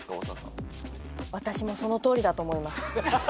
私もそのとおりだと思います。